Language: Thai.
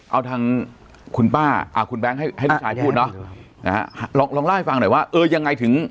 เอาทางคุณป้าอ่าคุณแบงค์ให้ให้ลูกชายพูดเนอะนะฮะลองลองเล่าให้ฟังหน่อยว่าเออยังไงถึง